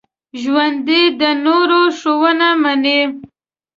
ژوندي د نورو ښوونه مني